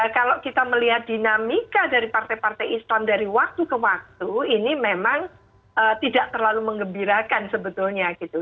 kalau kita melihat dinamika dari partai partai islam dari waktu ke waktu ini memang tidak terlalu mengembirakan sebetulnya gitu